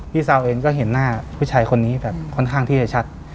ซาวเองก็เห็นหน้าผู้ชายคนนี้แบบค่อนข้างที่จะชัด